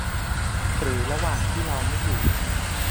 หรือระหว่างที่เราไม่อยู่